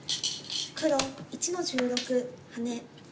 黒１の十六ハネ。